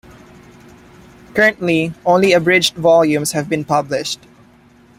Currently, only abridged volumes have been published.